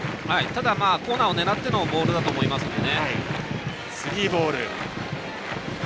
ただ、コーナーを狙ってのボールだと思いますので。